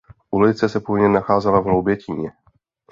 Ulice se původně nacházela v Hloubětíně.